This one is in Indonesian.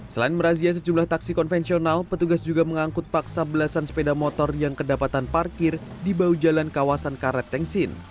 selain merazia sejumlah taksi konvensional petugas juga mengangkut paksa belasan sepeda motor yang kedapatan parkir di bahu jalan kawasan karet tengsin